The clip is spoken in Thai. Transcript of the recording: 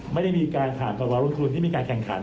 ไม่ได้มีการขามประวัติศูนย์ที่มีการแข่งขัน